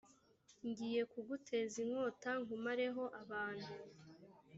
ngiye kuguteza inkota nkumareho abantu